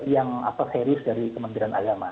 yang serius dari kementerian agama